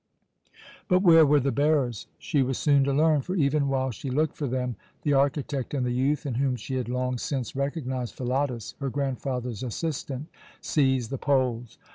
But where were the bearers? She was soon to learn; for, even while she looked for them, the architect and the youth, in whom she had long since recognized Philotas, her grandfather's assistant, seized the poles.